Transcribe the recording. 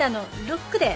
ロックで。